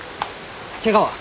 ケガは？